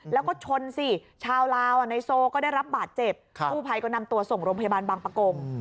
แล้วก็ชนสิชาวลาวในโซก็ได้รับบาดเจ็บกู้ภัยก็นำตัวส่งโรงพยาบาลบางประกง